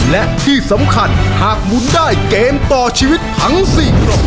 และที่สำคัญหากหมุนได้เกมต่อชีวิตทั้ง๔กล่อง